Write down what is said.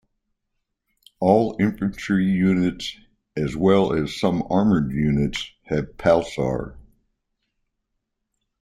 All infantry units as well as some armored units have Palsar.